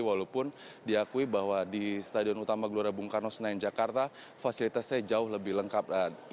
walaupun diakui bahwa di stadion utama gelora bung karno senayan jakarta fasilitasnya jauh lebih lengkap